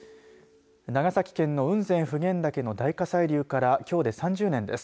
長崎県の雲仙・普賢岳の大火砕流からきょうで３０年です。